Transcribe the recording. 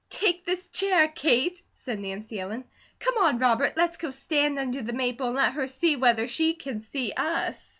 "Take this chair, Kate," said Nancy Ellen. "Come on, Robert, let's go stand under the maple tree and let her see whether she can see us."